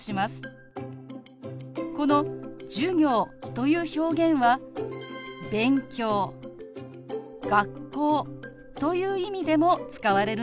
この「授業」という表現は「勉強」「学校」という意味でも使われるんですよ。